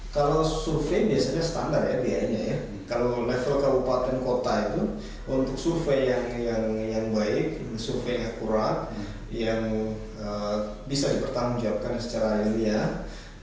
kurat yang bisa dipertanggungjawabkan secara alihnya